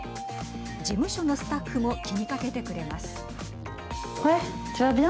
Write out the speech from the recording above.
事務所のスタッフも気にかけてくれます。